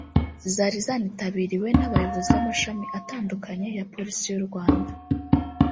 zari zanitabiriwe n’abayobozi b’amashami atandukanye ya Polisi y’u Rwanda